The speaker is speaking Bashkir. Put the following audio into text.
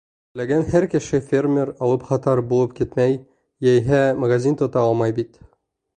Теләгән һәр кеше фермер, алыпһатар булып китмәй, йәиһә магазин тота алмай бит.